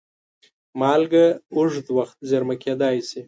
مالګه اوږد وخت زېرمه کېدای شي.